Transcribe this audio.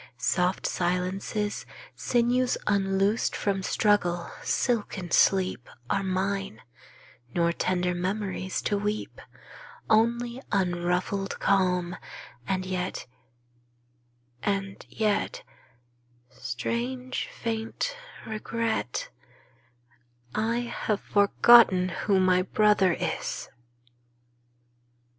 Soft silences, Sinews unloosed from struggle, silken sleep, 27 Are mine; nor tender memories to weep. Only unruffled calm; and yet — and yet — Strange, faint regret — I have forgotten who my brother is!